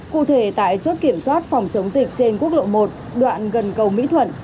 cụ thể tại chốt kiểm soát phòng chống dịch trên quốc lộ một đoạn gần cầu mỹ thuận